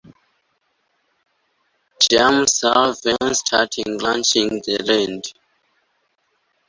James Irvine starting ranching the land.